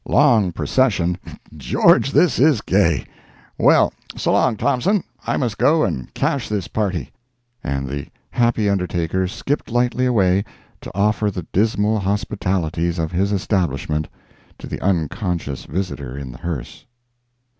Long procession! 'George this is gay! Well, so long, Thompson, I must go and cache this party!" And the happy undertaker skipped lightly away to offer the dismal hospitalities of his establishment to the unconscious visitor in the hearse.